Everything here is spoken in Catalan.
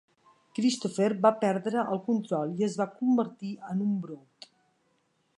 Christopher va perdre el control i es va convertir en un Brood.